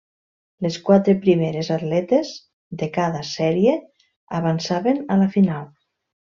Les quatre primeres atletes de cada sèrie avançaven a la final.